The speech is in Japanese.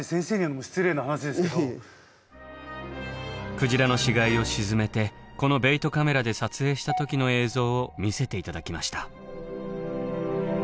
鯨の死骸を沈めてこのベイトカメラで撮影した時の映像を見せて頂きました。